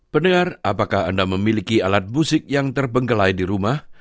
pendengar apakah anda memiliki alat musik yang terbengkelai di rumah